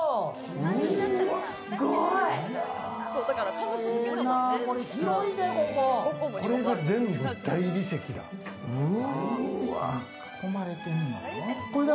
壁が全部大理石だ。